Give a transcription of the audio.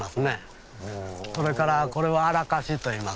それからこれはアラカシといいます。